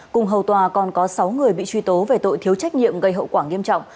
cùng hầu tòa còn có sáu người bị truy tố về tội thiếu trách nhiệm gây hậu quả nghiêm trọng